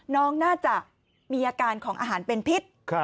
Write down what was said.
น้องน่าจะมีอาการของอาหารเป็นพิษ